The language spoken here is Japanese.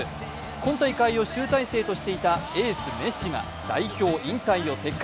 今大会を集大成としていたエースメッシが代表引退を撤回。